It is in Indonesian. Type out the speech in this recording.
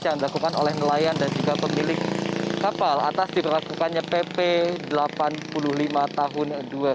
yang dilakukan oleh nelayan dan juga pemilik kapal atas diperlakukannya pp delapan puluh lima tahun dua ribu dua puluh